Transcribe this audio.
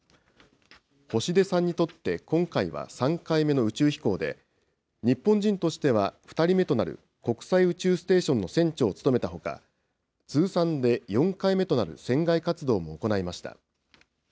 星出さんにとって、今回は３回目の宇宙飛行で、日本人としては２人目となる国際宇宙ステーションの船長を務めたほか、通算で４回目となる船外活動も行いました。